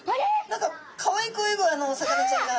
何かかわいく泳ぐお魚ちゃんが。